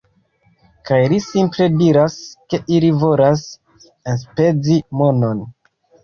Kaj li simple diras, ke ili volas enspezi monon